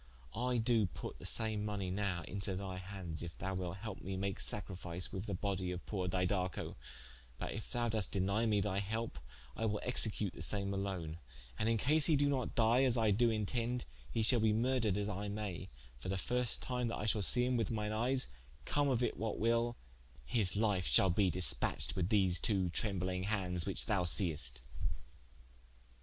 I doe put the same money nowe into thy hands, if thou wilte helpe mee to make sacrifice with the bodye of poore Didaco: but if thou doest denie me thy helpe I will execute the same alone: and in case he do not die, as I do intende, he shalbe murdred as I may, for the first time that I shal see him with mine eyes, come of it what will, his life shalbe dispatched with these two trembling hands which thou seest."